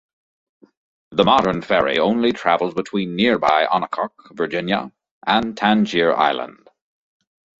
The modern ferry only travels between nearby Onancock, Virginia and Tangier Island.